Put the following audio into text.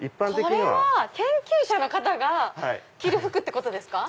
これは研究者の方が着る服ってことですか？